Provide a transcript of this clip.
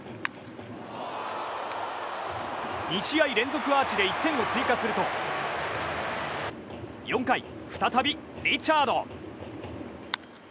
２試合連続アーチで１点を追加すると４回、再びリチャード。